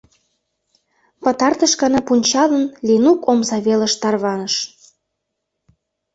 Пытартыш гана пунчалын, Ленук омса велыш тарваныш.